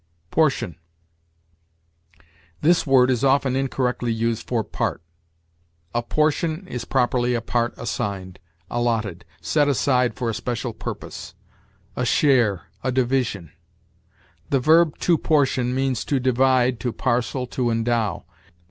PORTION. This word is often incorrectly used for part. A portion is properly a part assigned, allotted, set aside for a special purpose; a share, a division. The verb to portion means to divide, to parcel, to endow.